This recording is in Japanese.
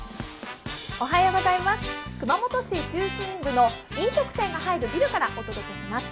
熊本市中心部の飲食店が入るビルからお届けします。